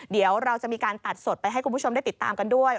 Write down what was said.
เดี๋ยวเราจะมีการตัดสดไปให้คุณผู้ชมได้ติดตามกันด้วย